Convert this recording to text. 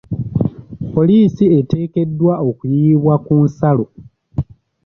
poliisi eteekeedwa okuyiibwa ku nsalo.